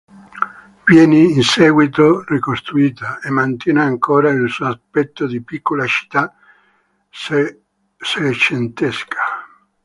Viene in seguito ricostruita, e mantiene ancora il suo aspetto di piccola città secentesca.